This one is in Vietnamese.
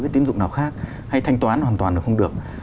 điều nào khác hay thanh toán hoàn toàn được không được